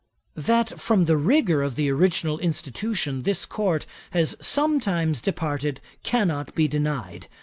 'That from the rigour of the original institution this Court has sometimes departed, cannot be denied.